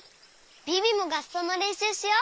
ビビもがっそうのれんしゅうしよう！